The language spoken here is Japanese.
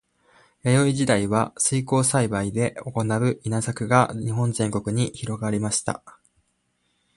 弥生時代は水耕栽培で行う稲作が日本全国に広まりました。